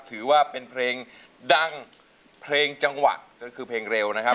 ถือว่าเป็นเพลงดังเพลงจังหวะก็คือเพลงเร็วนะครับ